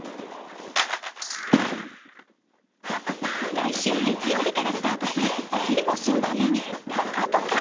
来週月曜日からスタートするお昼の新番組「ぽかぽか」。